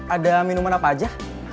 ada minuman apa aja